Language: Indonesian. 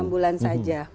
enam bulan saja